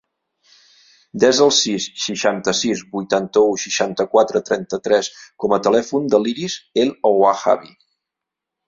Desa el sis, seixanta-sis, vuitanta-u, setanta-quatre, trenta-tres com a telèfon de l'Iris El Ouahabi.